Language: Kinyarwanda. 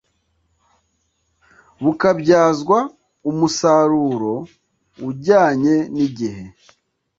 bukabyazwa umusaruro ujyanye n’igihe